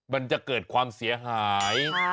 มันจะเกิดความเสียหาย